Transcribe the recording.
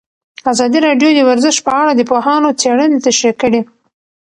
ازادي راډیو د ورزش په اړه د پوهانو څېړنې تشریح کړې.